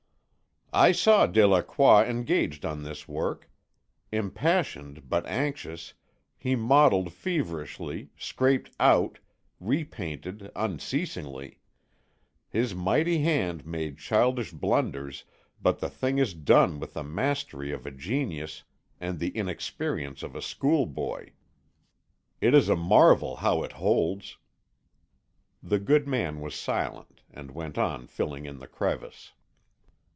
"I saw Delacroix engaged on this work. Impassioned but anxious, he modelled feverishly, scraped out, re painted unceasingly; his mighty hand made childish blunders, but the thing is done with the mastery of a genius and the inexperience of a schoolboy. It is a marvel how it holds." The good man was silent, and went on filling in the crevice.